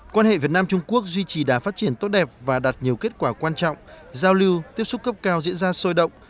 quan hệ việt nam trung quốc duy trì đá phát triển tốt đẹp và đạt nhiều kết quả quan trọng giao lưu tiếp xúc cấp cao diễn ra sôi động